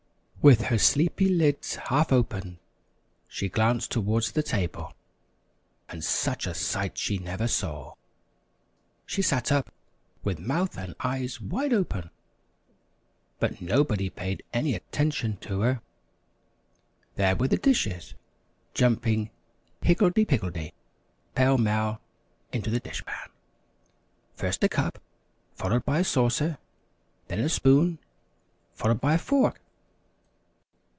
With her sleepy lids half open she glanced toward the table, and such a sight she never saw! She sat up with mouth and eyes wide open, but nobody paid any attention to her. There were the dishes jumping higgledy piggledy, pell mell into the dish pan. First a cup, followed by a saucer, then a spoon, followed by a fork.